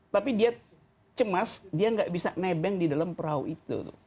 tapi dia cemas dia nggak bisa nebeng di dalam perahu itu